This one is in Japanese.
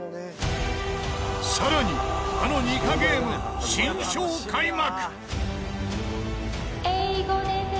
さらにあのニカゲーム新章開幕！